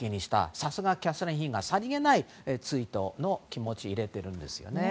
さすが、キャサリン妃さりげない追悼の気持ちを入れているんです。